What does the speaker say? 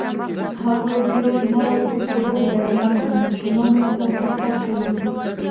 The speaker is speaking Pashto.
هغوی ډېر نرم زړه لري او له ماشومانو سره مرسته کوي.